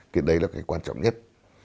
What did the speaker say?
cái đấy là cái quan trọng nhất